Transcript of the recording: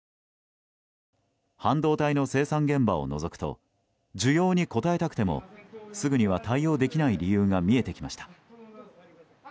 半導体の生産現場をのぞくと需要に応えたくてもすぐには対応できない理由が見えてきました。